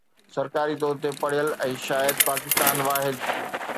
سرڪاري طور تي پڙهيل ۽ شايد پاڪستان ۾ واحد